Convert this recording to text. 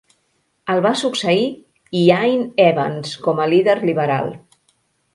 El va succeir Iain Evans com a líder liberal.